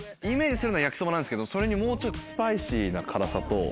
イメージするのは焼きそばなんですけどそれにもうちょっとスパイシーな辛さと。